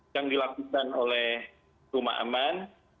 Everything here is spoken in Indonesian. yang dilakukan oleh rumah aman